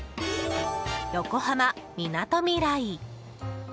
横浜みなとみらい。